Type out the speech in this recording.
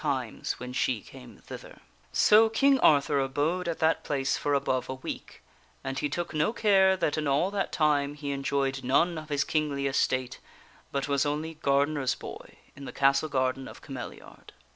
times when she came thither. 84 THE WINNING OF A QUEEN So King Arthur abode at that place for above a week, and he took no care that in all that time he enjoyed none of his kingly estate, but was only gardener's boy in the castle garden of Cameliard.